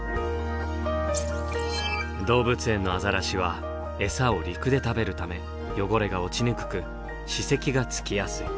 動物園のアザラシはエサを陸で食べるため汚れが落ちにくく歯石がつきやすい。